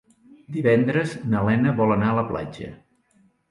Divendres na Lena vol anar a la platja.